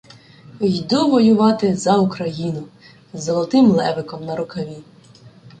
Йду воювати за Україну. З "золотим левиком" на рукаві.